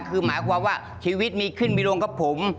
คือหมายความว่าชีวิตมีขึ้นมีลงกับผม